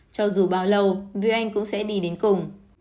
cho dù bao lâu vì anh cũng sẽ đi đến cùng